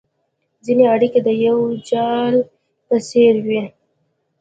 ځیني اړیکي د یو جال په څېر وي